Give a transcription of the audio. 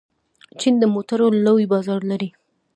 چین د موټرو لوی بازار لري.